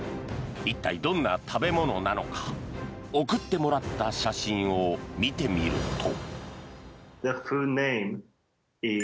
一体、どんな食べ物なのか送ってもらった写真を見てみると。